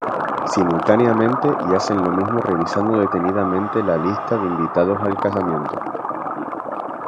Simultáneamente y hacen lo mismo revisando detenidamente la lista de invitados al casamiento.